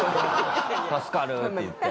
「助かる」って言って。